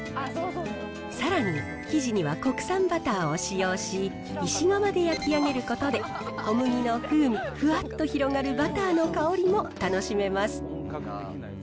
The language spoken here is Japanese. さらに、生地には国産バターを使用し、石窯で焼き上げることで、小麦の風味、ふわっと広がるバターの香りも楽しめます。